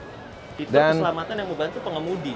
fitur keselamatan yang membantu pengemudi